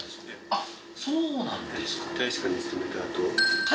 あっそうなんですか